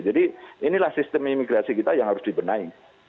jadi inilah sistem imigrasi kita yang harus dibenahi